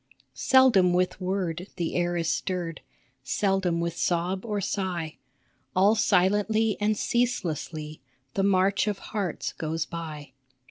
Seldom with word the air is stirred, Seldom with sob or sigh ; All silently and ceaselessly The march of hearts goes by.